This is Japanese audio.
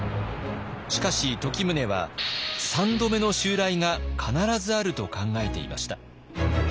しかし時宗は３度目の襲来が必ずあると考えていました。